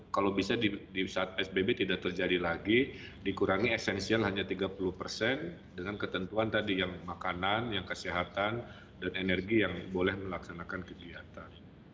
kalau bisa di saat psbb tidak terjadi lagi dikurangi esensial hanya tiga puluh persen dengan ketentuan tadi yang makanan yang kesehatan dan energi yang boleh melaksanakan kegiatan